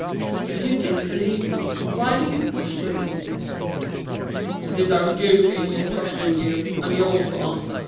"If you disbelieve me, why do you question me?" "It is our duty to question you, and yours to answer.